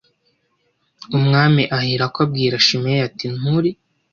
Umwami aherako abwira Shimeyi ati Nturi